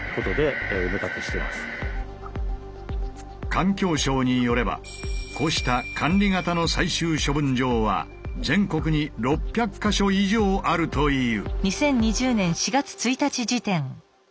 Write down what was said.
環境省によればこうした管理型の最終処分場は全国に６００か所以上あるという。